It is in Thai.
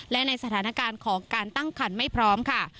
และในสถานการณ์ของการตั้งคันไม่พร้อมค่ะ